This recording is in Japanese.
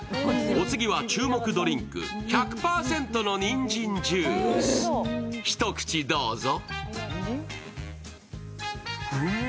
お次は注目ドリンク、１００％のにんじんジュース、ひと口どうぞ。